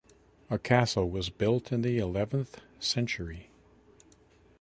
A castle was built in the eleventh century.